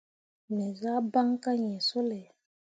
Me zah baŋ kah yĩĩ sulay.